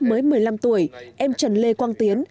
mới một mươi năm tuổi em trần lê quang tiến